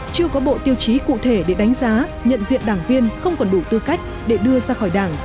chưa có bộ tiêu chí cụ thể để đánh giá nhận diện đảng viên không còn đủ tư cách để đưa ra khỏi đảng